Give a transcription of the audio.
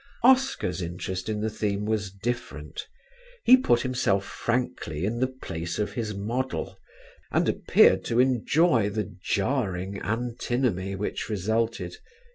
Oscar's interest in the theme was different; he put himself frankly in the place of his model, and appeared to enjoy the jarring antinomy which resulted.